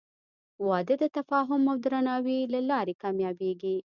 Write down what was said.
• واده د تفاهم او درناوي له لارې کامیابېږي.